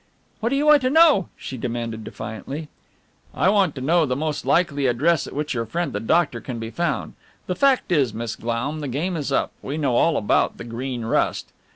"What do you want to know?" she demanded defiantly. "I want to know the most likely address at which your friend the doctor can be found the fact is, Miss Glaum, the game is up we know all about the Green Rust."